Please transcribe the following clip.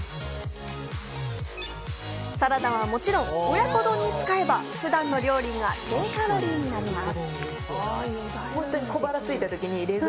サラダはもちろん、親子丼に使えば、普段の料理が低カロリーになります。